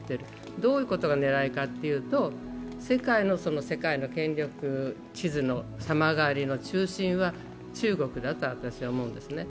どういうことがねらいかというと、世界の権力地図の様変わりの中心は中国だと思うんですね。